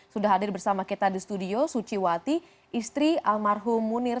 sudah hadir bersama kita di studio suciwati istri almarhum munir